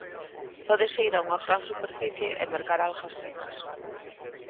Podes ir a unha gran superficie e mercar algas secas.